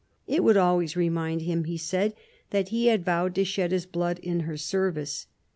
It would always remind him, he said, that he had vowed to shed his blood in her service.